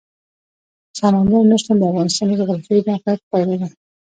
سمندر نه شتون د افغانستان د جغرافیایي موقیعت پایله ده.